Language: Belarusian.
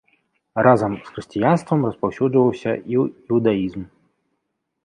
Разам з хрысціянствам распаўсюджваўся і іўдаізм.